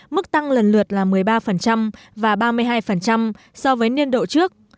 mức tăng lần lượt là một mươi ba và ba mươi hai so với niên độ trước